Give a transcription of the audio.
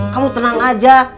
kamu tenang aja